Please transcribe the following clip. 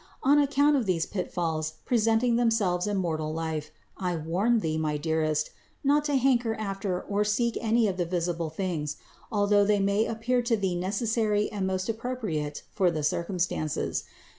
On account of these pitfalls presenting themselves in mortal life, I warn thee, my dearest, not to hanker after or seek any of the visible things, although they may appear to thee necessary and most appropriate for the circumstances.